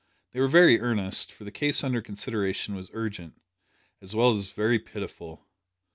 They were very earnest, for the case under consideration was urgent, as well as very pitiful.